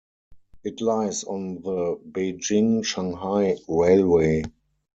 It lies on the Beijing-Shanghai Railway.